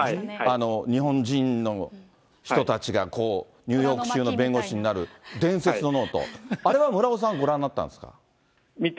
日本人の人たちがニューヨーク州の弁護士になる伝説のノート、あれは村尾さん、ご覧になったんですか？